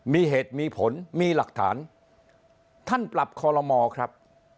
มีเหตุมีผลมีหลักฐานท่านปรับคอลโลมอครับ